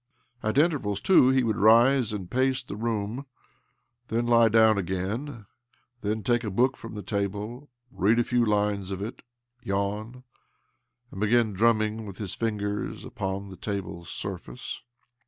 At in tervals, too, he would rise and pace the room, then lie down again, then take a book from the table, read a few lines of it, yawn, and begin drumiming with his fingers upoa the table's surface.